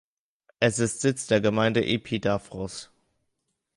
Es ist Sitz der Gemeinde Epidavros.